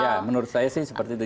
ya menurut saya sih seperti itu